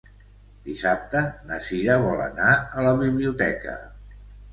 Dissabte na Sira vol anar a la biblioteca.